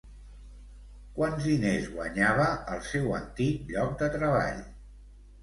Quants diners guanyava al seu antic lloc de treball?